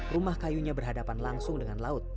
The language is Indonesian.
rumah kayunya berhadapan langsung dengan laut